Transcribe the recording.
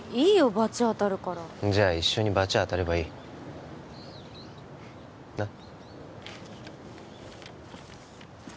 罰当たるからじゃ一緒に罰当たればいいなっ？